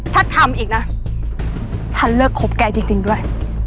ถ้าทำอีกนะฉันเลิกคบแกจริงด้วย